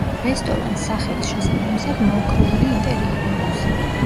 რესტორანს, სახელის შესაბამისად, მოოქროვილი ინტერიერი აქვს.